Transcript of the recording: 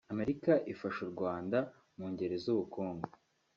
Amerika ifasha u Rwanda mu ngeri z’ubukungu